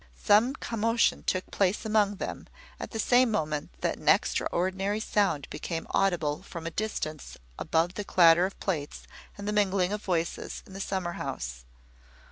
Some commotion took place among them, at the same moment that an extraordinary sound became audible, from a distance, above the clatter of plates, and the mingling of voices, in the summer house.